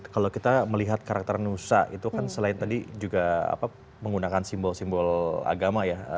kalau kita melihat karakter nusa itu kan selain tadi juga menggunakan simbol simbol agama ya